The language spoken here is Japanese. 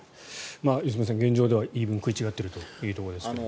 良純さん、現状では言い分が食い違っているところですが。